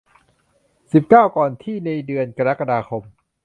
สิบเก้า ก่อนที่ในเดือนกรกฎาคม